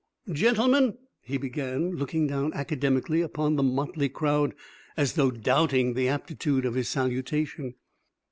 "Gentlemen," he began, looking down academically upon the motley crowd as though doubting the aptitude of his salutation.